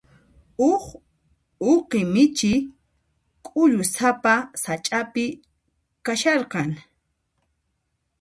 Huk uqi michi k'ullusapa sach'api kasharqan.